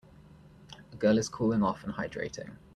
A girl is cooling off and hydrating.